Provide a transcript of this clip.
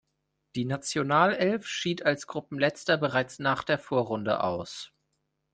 Die Nationalelf schied als Gruppenletzter bereits nach der Vorrunde aus.